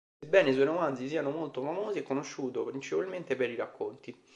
Sebbene i suoi romanzi siano molto famosi, è conosciuto principalmente per i racconti.